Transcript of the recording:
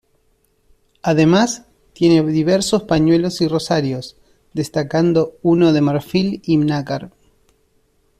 Además tiene diversos pañuelos y rosarios destacando uno de marfil y nácar.